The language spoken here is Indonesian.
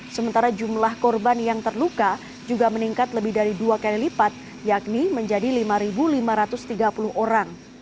sementara jumlah korban yang terluka juga meningkat lebih dari dua kali lipat yakni menjadi lima lima ratus tiga puluh orang